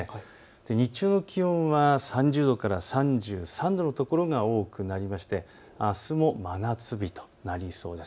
日中の気温は３０度から３３度の所が多くなりましてあすも真夏日となりそうです。